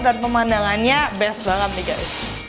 dan pemandangannya best banget nih guys